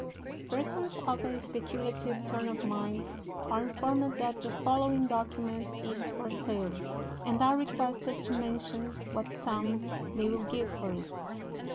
Persons of a speculative turn of mind are informed that the following document is for sale, and are requested to mention what sum they will give for it.